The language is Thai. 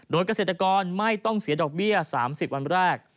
โดยเกษตรกรไม่ต้องเสียดอกเบี้ย๓๐วันแรก